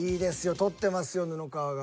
取ってますよ布川が。